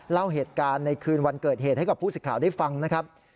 เล่าเหตุการณ์ในคืนวันเกิดเหตุให้กับผู้สิทธิ์ข่าวได้ฟังนะครับ